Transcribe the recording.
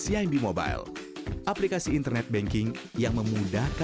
terima kasih banyak